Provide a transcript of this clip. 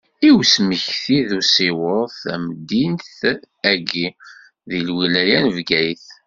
I usmekti d usiweḍ, tameddit-agi deg lwilaya n Bgayet.